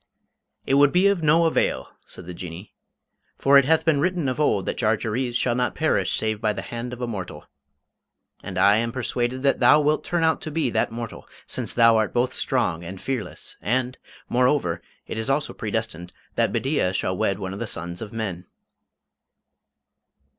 "It would be of no avail," said the Jinnee, "for it hath been written of old that Jarjarees shall not perish save by the hand of a mortal. And I am persuaded that thou wilt turn out to be that mortal, since thou art both strong and fearless, and, moreover, it is also predestined that Bedeea shall wed one of the sons of men."